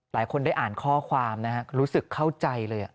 หลายคนได้อ่านข้อความนะฮะรู้สึกเข้าใจเลย